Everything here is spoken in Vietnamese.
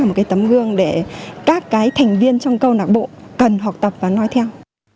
một cái tấm gương để các cái thành viên trong câu lạc bộ cần học tập và nói theo